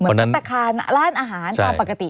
เหมือนร้านอาหารตามปกติ